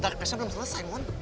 tapi dark passion belum selesai mon